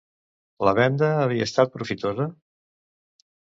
La venda havia estat profitosa?